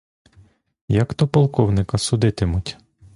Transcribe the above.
Як то полковника судитимуть?